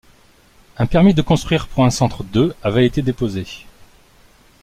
Un permis de construire pour un centre de avait été déposé.